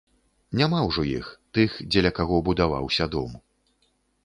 Няма ўжо іх, тых, дзеля каго будаваўся дом.